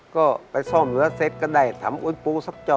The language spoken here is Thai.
ก็ไปซ่อมเหนือเสร็จก็ได้ทำอ้วนปูซับจอ